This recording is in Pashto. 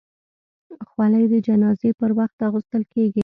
خولۍ د جنازې پر وخت اغوستل کېږي.